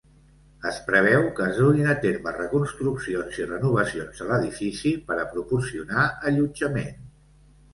Es preveu que es duguin a terme reconstruccions i renovacions a l'edifici per a proporcionar allotjament.